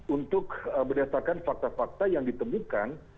untuk berdasarkan fakta fakta yang ditemukan